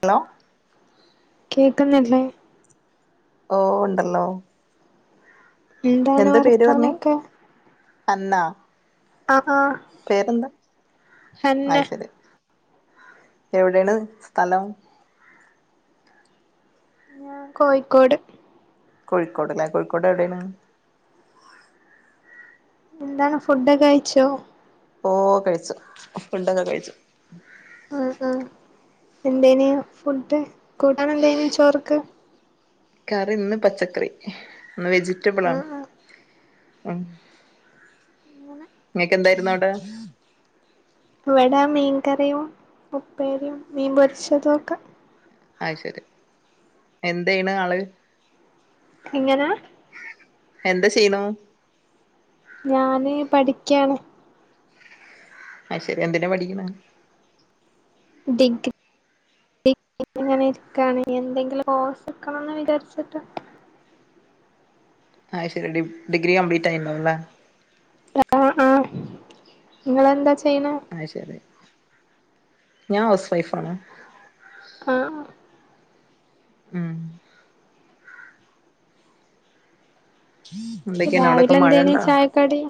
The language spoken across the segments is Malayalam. ഹലോ കേക്കുന്നില്ലേ ഓ ഉണ്ടല്ലോ എന്താണ് വർത്താനൊക്കെ അന്നാ ആ ഹന്നെ അത് ശരി എവിടെയാണ് സ്ഥലം ഞാൻ കോഴിക്കോട് കോഴിക്കോട് അല്ലേ കോഴിക്കോട് എവിടെയാണ് എന്താണ് ഫുഡൊക്കെ കയിച്ചോ ഓ കഴിച്ചു ഫുഡൊക്കെ കഴിച്ചു ആ ആഹ എന്തേനി ഫുഡ് കൂട്ടൻ എന്തേനി ചോർക്ക് കറി ഇന്ന് പച്ചക്കറി ഇന്ന് വെജിറ്റബിൾ ആ ആണ് ആ ഉം അങ്ങനെ നിങ്ങക്ക എന്തായിരുന്നു അവിടെ ഇവിടെ മീൻകറിയും ഉപ്പേരിയും മീൻ പൊരിച്ചതും ഒക്കെ അത് ശരി എന്തെയാണ് ആള് എങ്ങനെ എന്താ ചെയ്ണു ഞാന് പഠിക്കയാണ് അത് ശരി എന്തിനാ പഠിക്കുന്നത് ഡിങ്ക് ഇങ്ങനെ ഇരിക്കാണ് എന്തെങ്കിലും കോഴസെടുക്കണംന്ന് വിചാരിച്ചിട്ടാ ആഹ് ശരി ഡി ഡഗ്രി കംപ്ലീറ്റ് ആയിണ്ടാവൂലേ ആ ആ നിങ്ങളെന്താ ചെയ്യണെ ആത് ശരി ഞാൻ ഹൗസ് വൈഫ് ആണ് ആ ങും എന്തൊക്കെയാണ് അവിടൊക്കെ രാവിലെ മഴ എന്തേന ഉണ്ടോ ചായക്കടി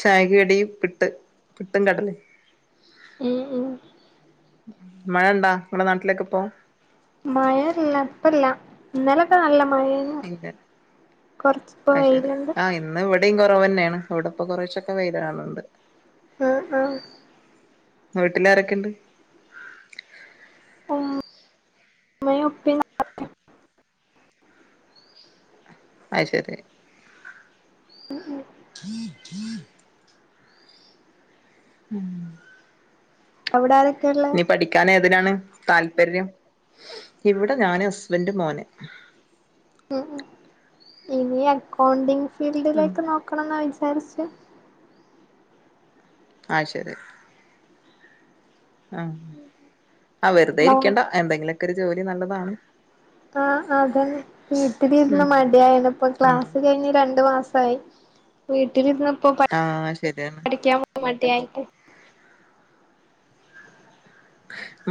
ചായക്ക് കടി പിട്ട് പിട്ടും കടല് ഉം ഉം മഴയണ്ടാ നിങ്ങളെ നാട്ടിലേക്കെ ഇപ്പോ മയ ഇല്ല ഇപ്പ ഇല്ല ഇന്നലൊക്കെ നല്ല മഴ [inaudible] പഴന ഇല്ല കൊറച്ച്പ്പോ വെയിലുണ്ട് എവിടെയും കുറവ് തന്നെയാണ് അവിടപ്പ കുറച്ചൊക്കെ വ്താണുന്നുണ്ട് ഉം ഉം വീട്ടിലാരൊക്കെയുണ്ട് ഉം ഉമ്മയും ഉപ്പയും താത്തയും അത് ശരി ഉം അവിടത നീ പഠിക്കൻ ഏതിനാണ് താല്പര്യം ഇവിടെ ഞാന് ഹസ്ബൻഡ മോനെ ഉ ഇനി അക്കൗണ്ടിങ് ഉം ഫീൽഡിലേക്ക് നോക്കണം എന്ന വിചാരിച്ച് ആഹ ശരി ഉ ആ വെറുതെ മോ ഇരിക്കണ്ട എന്തെങ്കിലുമൊക്കെ ഒരു ജോലി നല്ലതാണ് ആ് അതന്നെ വീട്ടിലിരുന്ന് ഉം മടിയായന ഇപ്പ ഉം ക്ലാസ്സ് കഴിഞ്ഞ് രണ്ടു മാസം വീട്ടിലിന്ന് ഇപ്പ ആഹ് ശരിയാണ് പഠിക്കൻ പോൻ വേണ്ടിക്ക്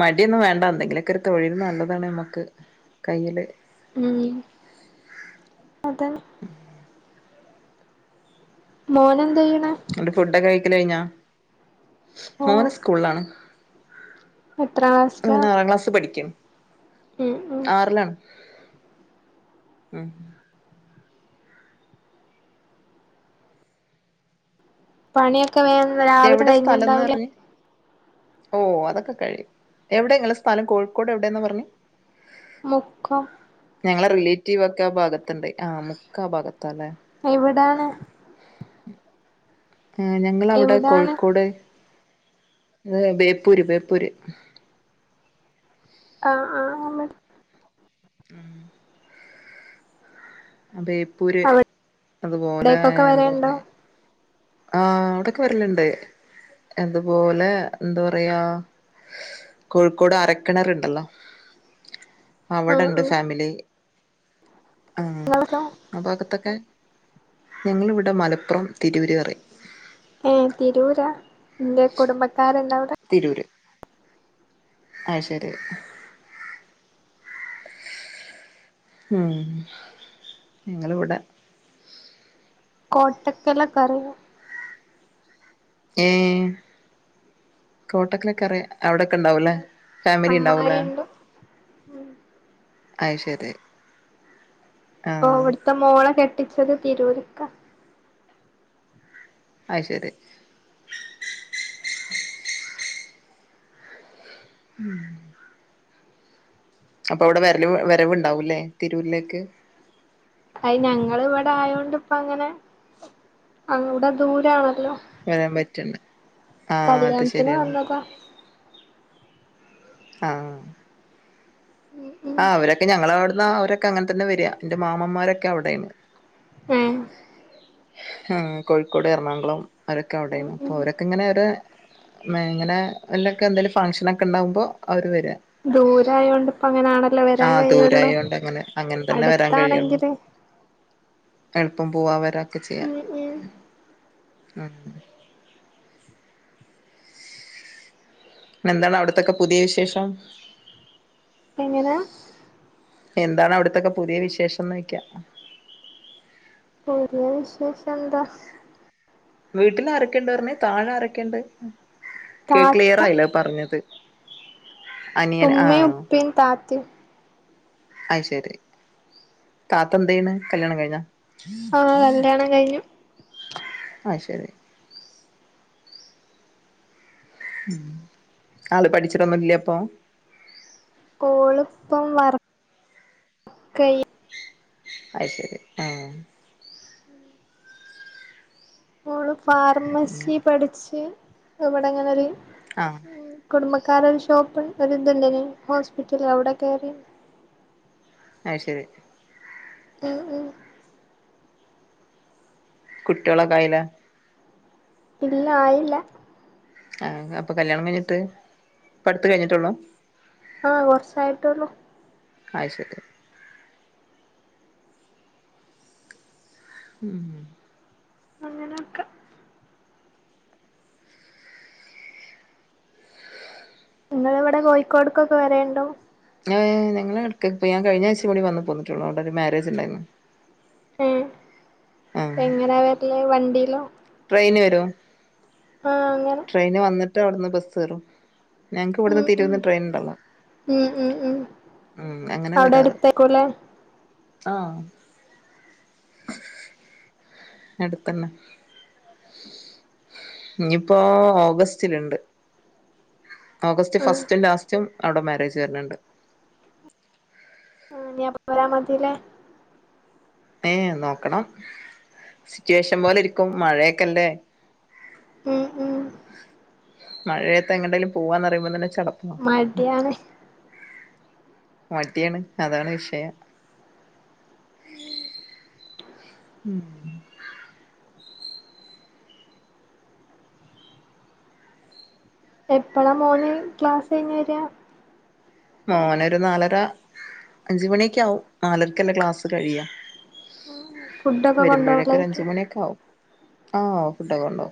മടിയൊന്നും വേണ്ട എന്തെങ്കിലുമൊക്കെ ഒരു തൊഴിൽ നല്ലതാണ് നമ്മക്ക് കയ്യില് ഉം അതന്നെ മോന എന്റെ ഫുഡൊക്കെ കഴിക്കല കഴിഞ്ഞാ ഓ മോന സ്കൂളിലാണ് എത്രാം ക്ലാസ്സിലാ അവന ആറാം ക്ലാസ് പഠിക്കും ഉം ഉം ആറിലാണ് ഉ പണിയൊക്കെ വേന്ന് രാവിലെ എവിടെ സ്ഥലംന്ന് കഴിഞ്ഞുണ്ടാവൂലേ പറഞ്ഞ് ഓ അതൊക്കെ കഴിയും എവിടെ നിങ്ങളെ സ്ഥാനം കോഴിക്കോട് എവിടെന്ന പറഞ്ഞു മുക്ക ഞങ്ങളെ റിലേറ്റീവ് ഒക്കെ ആ ഭാഗത്തുണ്ടണ്ട് ആ്മുക്ക് ആ ഭാഗത്ത് എവിടാണ് ഞങ്ങളവിടെ എവിടാണ് കോഴിക്കോട് ഏ ബേപ്പൂര് ബേപ്പൂര് ആഹ ആഹ ഉം അ ബേപ്പൂര് അതുപോലെ അവിടേക്കൊക്കെ എന്താ വരേണ്ടോ പറയാ ആഹ് കോഴിക്കോട് അരക്കിണരുണ്ടല്ലോ ആഹ് അവിടെണ്ട് ആഹ് ഫാമിലി ആ നിങ്ങളോ അപ്പ അകത്തൊക്കെ ഞങ്ങിളി വിടെ മലപ്പുറം തിരുവരി പറ പറ ഏ തിരൂരാ എന്റെ കുടുംബക്കാരണ്ടാവട തിരൂര് ആ ശരി ഉം ങ്ങള്വിടെ കോട്ടക്കല കറിയ ഏ കോട്ടക്കിലൊക്കെറയാ അവിടെക്കെ ഇണ്ടാവൂലേ ഫാമിലി ഉണ്ടാവൂല അമ്മായിണ്ട് അയി ശരി ഓ ആഹ് അവിടുത്തെ മോള കെട്ടിച്ചത് തിരൂരുക്ക അ ശരി ഉം അപ്പൊ അവിടെ വരൽ വിരവ്ണ്ടാവൂല്ലേ തിരൂരിലേക്ക് അത് ഞങ്ങ ഇവിടെ ആയോണ്ട് ഇപ്പ അങ്ങനെ ഇവിടെ ദൂരണല്ലോ വരാൻ പറ്റണ്ട് ആ അത് കല്യാണത്തിന് ശരിയാണ് വന്നതാ ആഹ ഉം ഉം ആഹ് അവരൊക്കെ ഞങ്ങളവിടുന്ന് അവരൊക്കെ അങ്ങനെ തന്നെ വരിക എന്റെ മാമമാരൊക്കെ അവിടെന്ന് ഉം കോഴിക്കോട് എറണാകുളം അവരൊക്കെ ഉം അവിടെണ് അപ്പൊ ഉം അവരൊക്കെ ഇങ്ങനെ അവരെ മങ്ങനെ എല്ലൊക്കെ എന്തായാലും ഫംഗഷനക്കെ ഉണ്ടാവുമ്പോ അവര് വ ദൂരായോണ്ട് ഇപ്പ അങ്ങന ആഹ ദൂരായോണ്ട് അങ്ങനെ അങ്ങനെ തന്നെ വരാൻ കഴിയുള്ളൂ അടുത്താണെങ്കില് പ്പം പോവാവരൊക്കെ ചെയ്യ ഉം ഉം പി എന്താണ് അവിടത്തൊക്കെ പുതിയ വിശേഷം എങ്ങനെ എന്താണ് അവിടത്തൊക്കെ പുതിയ വിശേഷംന്നോയ്ക്ക്യാ പുതിയ വിശേഷം എന്താ വീട്ടിൽ അരക്കണ്ട് പറഞ്ഞ താഴെ അരക്കേണ്ട് താത്ത ക്ലിയറായില്ലോ പറഞ്ഞത് അനിയൻ തുമ്മേ ഉപ്പേ താത്തി അയ് ശരി താത്ത എന്ത് ചെയാണ് കല്യാണം കഴിഞ്ഞാ ആ കല്യാണം കഴിഞ്ഞു ആയ് ശരി ഉ ആള് പഠിച്ചിട്ടൊന്നുല്ല്യപ്പൊ ഓള്പ്പം വർക്ക അ ശരി ആ മോള് അങ്ങനെ ഫാർമസി പഠിച്ച് അവിടെങ്ങനെരു ആഹ കുടുംബക്കാരരു ഷോപ്ൺ ഒര്ന്ത്ണ്ടിനി ഹോസ്പിറ്റല് അവിടെ കേറി ആയ് ശരി ഉംഉം കുട്യോളക്കായില ഇല്ല ആയില്ല ആ അപ്പ കല്യാണം കഴിഞ്ഞിട്ട് അടുത്ത കഴിഞ്ഞിട്ടുള്ളൂ ആഹ കൊറച്ചായിട്ടള്ളൂ അ ശരി ശരി ഉം അങ്ങനെയൊക്കെ നിങ്ങ ഇവിടെ കോഴിക്കോടക്കൊക്കെ വരണ്ടോ ഞ ഞങ്ങളൾ എടുക്കപ്പോ ഞാൻ കഴിഞ്ഞ ആഴ്ച മടി വന്ന്ു പോന്നിട്ടുള്ളൂ അവിൊ ഒരു മാര്ാരേജ് ഉണ്ടായിരുന്നു ആഹ് എങ്ങന വരില്ലേ വണ്ടിയിലോ ട്രെയിന് വരുമോ ആഹ അങ്ങനെ മറ്റ അവിടുന്ന് ബസ് കയറും ഞങ്ങക്ക് ഉം ഇവിടുന്ന് ഉം തിരുവന്ന് ട്രെയിൻ ഉണ്ടളാം ഉം ഉം ഉം അവിടെ അടുത്തേക്കലെ ആഹ അടുത്തന്നെ ഇനിയിപ്പോൊ ഓഗസ്റ്റിലണ്ട് ഓഗസ്റ്റ് ഉം ഫസ്റ്റും ലാസ്റ്റും അവിടെ മാരേജ് വരുന്നുണ്ട് രാ മതില ഏ നോക്കണം സിറ്റുവേഷൻ പോലെ ഇരിക്കും മഴയൊക്കെല്ലേ ഉം ഉം മഴയത്ത് എങ്ങേലും പോവാന്ന്റിയുമ്പോ തന്നെ ചടപ്പാ മടിയാണ് മടിയാണ് അതാണ് വിഷയം ഉം എപ്പഴാ മോണി ക്ലാസ് കഴിഞ്ഞഞ് വരി മോനൊ ഒരു നാലര അഞ്ച മണിയക്ക ആാവും നാലരക്കല്ല ക്ലാസ് കഴിയാ ഫുഡൊക്കെ വരുമ്പോഴേക്കെ ഒ അഞ്ച കൊണ്ടുപോവലായിരിക്കും മണിയൊക്കെ ആാവും ആഓ ഫുഡൊക്കെണ്ടോ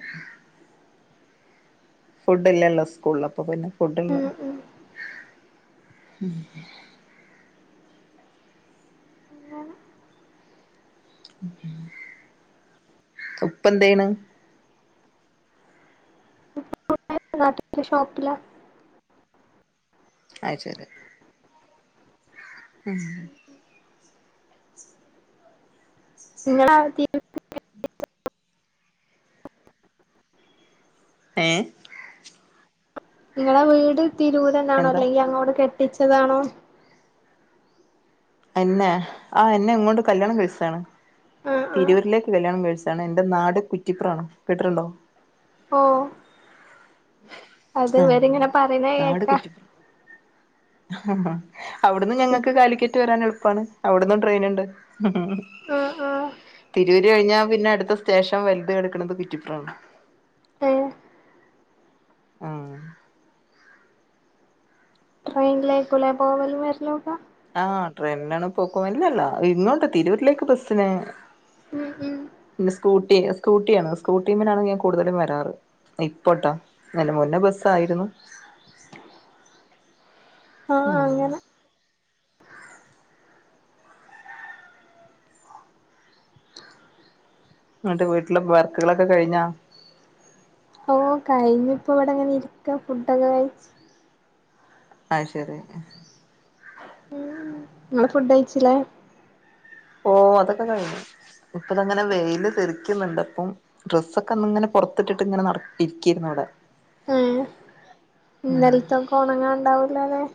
ഫുഡ് ഇല്ലല്ലോ സ്കൂളിൽ അപ്പൊ പിന്നെ ഫുഡ ഉ ഉം ഉം എങ്ങാണ്െ ഇപ്പ എന്താണ് നാട്ട ശഷോപ്പില അ ശരി ഉം [unintelligible] നിങ്ങള തീ [inaudible] ഏ [unintelligible] നിങ്ങളടെ വീട് തിരൂരന്നാണോ എന്താ അല്ലെങ്കിൽ അങ്ങോട് കെട്ടിച്ചതാണോ? എന്നെ ആ എന്നെ ഇങ്ങോട്ട കല്യാണം കഴിച്ചതാണ്. ആഹ് ആഹ് തിരൂരിലേക്ക് കല്യാണം കഴിച്ചത്. എതാണ് എന്റെ നാട് കുറ്റിപ്രാണ കേട്ടിട്ടുണ്ടോ? ഓ [unintelligible] ആഹ് അതീവരിങ്ങനെ പറയുന്ന കേക്കാ ആ അവിടന്ന് ഞങ്ങൾക്ക് കാലിക്കറ്റ് വരാൻ എളുപ്പമാണ് അവിടന്നും ട്രെയിൻ ഉണ്ട്. ആഹ് ആഹ് തിരുവ ക കഴിഞ്ഞാ പിന്നെ അടുത്ത സ്റ്റേഷൻ വലുത എടുക്കണുന്നത് കുറ്റിപ്രമാണ് ഏ [unintelligible] ആ [unintelligible] ട്രെയി ലേക്കല പോവലും വരില്ലോക്ക? ആഹ് ട്രെയിനാണ് പോക്ക വല്ലല്ലോ ഇങ്ങോട്ട് തിരൂരിലേക്ക് ബസിന്. ഉം ഉം പി സ്കൂട്ടി സ്കൂട്ടിയാണ് സ്കൂട്ടിമ്മനാണ് ഞാൻ കൂടുതലും വരാറ്. ഇപ്പോട്ടോ അയിന് മുന്നേ ബസ്സ ആയിരുന്നു. ആഹ ഉം അങ്ങനനെ എന്നിട്ട് വീട്ടിലെ വർക്കുകളൊക്കെ കഴിഞ്ഞാ? ഓ കഴിഞ്ഞു. ഇപ്പ ഇവിടെ അങ്ങനെ ഇരിക്ക ഫുഡൊക്കെ കഴച്ച് ആഹ ശരി. ഉം നിങ്ങള് ഫുഡ് കയ്ച്ചില്ലേ? ഓ അതൊക്കെ കഴിഞ്ഞു. ഇപ്പത അങ്ങനെ വെയിയില് തെറിക്കുന്നുണ്ട്. അപ്പം ഡ്രസ്സൊക്കെ ഇങ്ങനെ പുറത്തിട്ടിട്ട് ഇങ്ങനെ നട ഇരിക്കയിരുന്നു. അ [unintelligible] ഇന്തലത്തൊക്കെ ഉണങ്ങാൻ ഉണ്ടാവൂലല്ലേ [inaudible]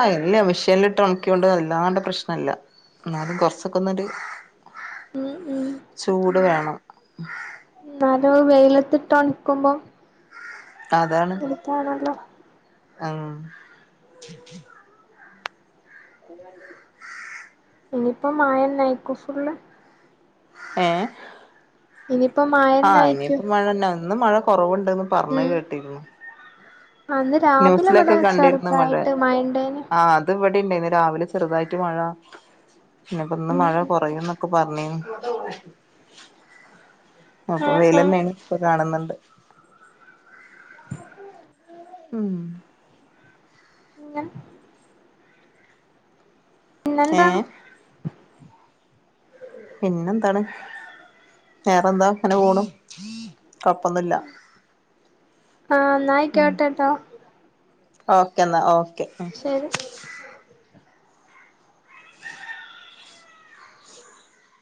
അല്ല മിഷനിലിട്ട് ഇട്ട് ഉണക്കിയോണ്ടത് അല്ലാണ്ട് പ്രശ്നമല്ല എന്നാലും കൊറച്ചൊക്കെ ഒന്നൊരു ഉം ഉം ചൂട് വേണം ന്നാല വെയിലത്തിട്ടോണിക്കുമ്പം എടുത്താണല്ലോ ആഹ അ [unintelligible] ഇനിയിപ്പോ മായൻ നൈക്കൂഫുള്ള [inaudible] ഏ ഇനിയിപ്പോ ആ മഴന്നായിക്കും ഇനിപ്പ മഴന്ത ഇന്ന് മഴ കുറവുണ്ടന്ന് പറഞ്ഞഞ് ഉം കേട്ടിന്ന് അന്ന് രാവിലെ ന്യൂസിലൊക്കെ ഇവിടെ കണ്ടിരുന്ന മഴ ചെറുതായിട്ട് മഴണ്ടേന് ആ അത് ണ്ട രാവിലെ ചെറുതായിട്ട് മഴ പിന്നെപ്പൊ ഇന്ന് മഴ കുറയുംന്നൊക്കെ പറഞ്ഞ [unintelligible] അപ്പൊ ഉം വെല ഉം തന്നെയാണ് ഇപ്പൊ കാണുന്നുണ്ട് ഉം [unintelligible] ഇങ്ങ [unintelligible] പിന്നെന്ത ഏഹ് പിന്നെന്താണ് വെറെന്താ അങ്ങനെ പോണം കൊഴപ്പൊന്നുമില്ല ആഹ് ഉ എന്നായിക്കോട്ടെട്ടോ ഓക്കേ എന്നാ ഓക്കെ ശരി അ [unintelligible]